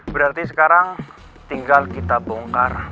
berarti sekarang tinggal kita bongkar